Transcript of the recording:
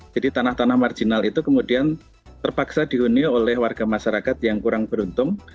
jadi tanah tanah marginal itu kemudian terpaksa diunil oleh warga masyarakat yang kurang beruntung